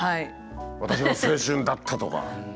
「私の青春だった」とか。